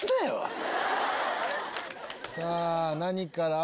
さぁ何から。